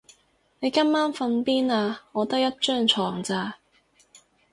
你今晚瞓邊啊？我得一張床咋